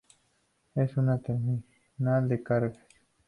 Es una terminal de cargas.